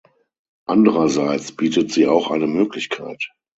Andererseits bietet sie auch eine Möglichkeit.